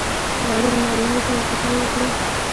غواړې له نارینه وو سره سکی وکړې؟